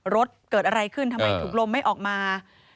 รถเกิดอะไรขึ้นทำไมถุงลมไม่ออกมา